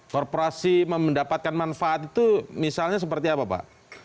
korporasi mendapatkan manfaat itu misalnya seperti apa pak